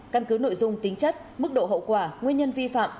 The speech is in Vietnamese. căn cứ nội dung tính chất mức độ hậu quả nguyên nhân vi phạm